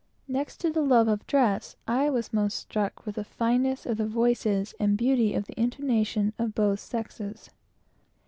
Next to the love of dress, I was most struck with the fineness of the voices and beauty of the intonations of both sexes.